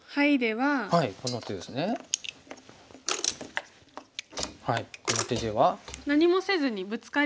はい。